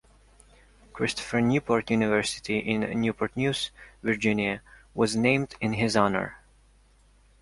Christopher Newport University in Newport News, Virginia, was named in his honor.